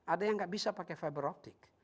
ada yang enggak bisa pakai fiber optic